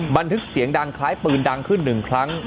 บันทึกเสียงดังคล้ายปืนดังขึ้นหนึ่งครั้ง